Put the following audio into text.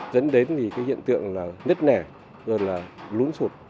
dẫn đến hiện tượng nứt nẻ rồi là lún sụt